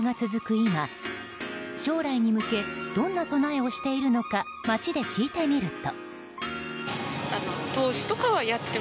今将来に向けどんな備えをしているのか街で聞いてみると。